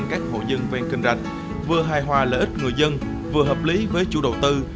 các hộ dân ven kênh rạch vừa hài hòa lợi ích người dân vừa hợp lý với chủ đầu tư